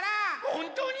ほんとに？